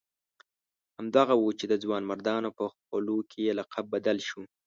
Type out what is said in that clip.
همدغه وو چې د ځوانمردانو په خولو کې یې لقب بدل شو.